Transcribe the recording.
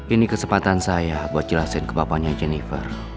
ini kesempatan saya buat jelasin ke bapaknya jennifer